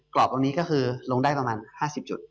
รอบตรงนี้ก็คือลงได้ประมาณ๕๐จุด